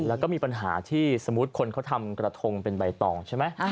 แล้วก็มีปัญหาที่สมมุติคนเขาทำกระทงเป็นใบตองใช่ไหม